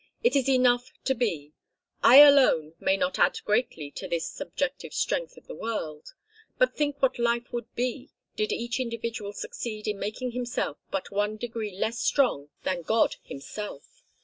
It is enough to be. I alone may not add greatly to this subjective strength of the world; but think what life would be did each individual succeed in making himself but one degree less strong than God himself!